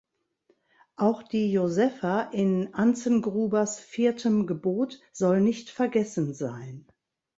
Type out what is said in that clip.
Auch die Josefa in Anzengrubers 'Viertem Gebot' soll nicht vergessen sein.